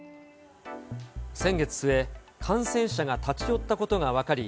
先月末、感染者が立ち寄ったことが分かり、